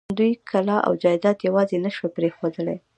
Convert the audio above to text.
دوی کلا او جايداد يواځې نه شوی پرېښودلای.